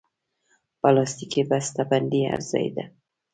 پلاستيکي بستهبندي هر ځای ده.